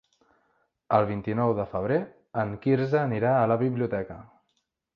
El vint-i-nou de febrer en Quirze anirà a la biblioteca.